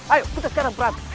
ayo kita sekarang berangkat